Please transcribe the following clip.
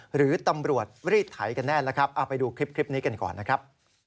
หรือตำรวจรีดไถกันแน่แล้วครับเอาไปดูคลิปนี้กันก่อนนะครับ